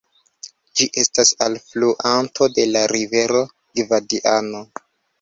Ĝi estas alfluanto de la rivero Gvadiano.